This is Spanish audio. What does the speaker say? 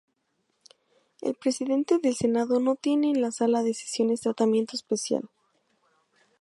El presidente del Senado no tiene en la sala de sesiones tratamiento especial.